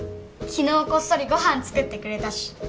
昨日こっそりご飯作ってくれたし。